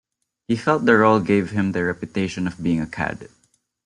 He felt the role gave him the reputation of being a cad.